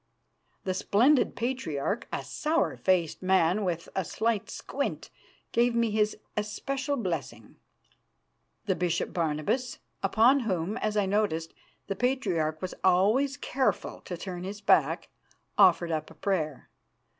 The splendid Patriarch, a sour faced man with a slight squint, gave me his especial blessing. The Bishop Barnabas, upon whom, as I noted, the Patriarch was always careful to turn his back, offered up a prayer.